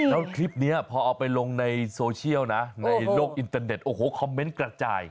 แล้วคลิปนี้พอเอาไปลงในโซเชียลนะในโลกอินเตอร์เน็ตโอ้โหคอมเมนต์กระจาย